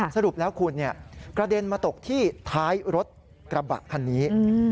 สรุปแล้วคุณกระเด็นมาตกที่ท้ายรถกระบะคันนี้